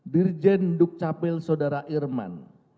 dirjen dukcapil saudara irman